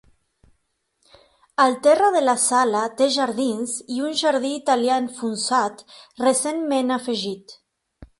El terra de la sala té jardins i un jardí italià enfonsat recentment afegit.